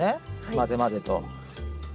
混ぜ混ぜと。